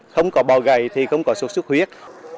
không có bò gầy thì không có xuất xuất huyết